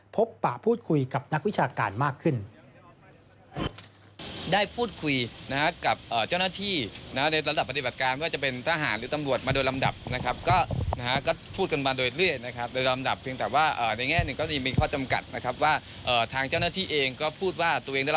ปะพูดคุยกับนักวิชาการมากขึ้น